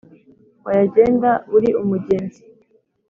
Wayagenda uri umugenzi